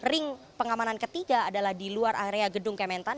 ring pengamanan ketiga adalah di luar area gedung kementan